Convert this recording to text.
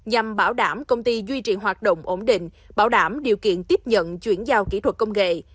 nhằm bảo đảm công ty duy trì hoạt động ổn định bảo đảm điều kiện tiếp nhận chuyển giao kỹ thuật công nghệ